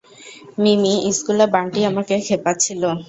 মিমি, স্কুলে বান্টি আমাকে খেপাচ্ছিলো।